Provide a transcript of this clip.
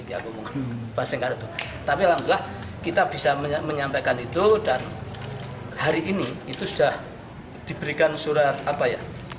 ya tapi alhamdulillah kita bisa menyampaikan itu dan hari ini itu sudah diberikan surat apa ya